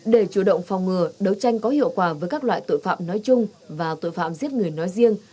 để chủ động phòng ngừa đấu tranh có hiệu quả với các loại tội phạm nói chung và tội phạm giết người nói riêng